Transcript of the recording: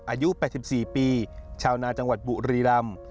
อายุ๘๔ปีชาวนาจังหวัดบุรีรำ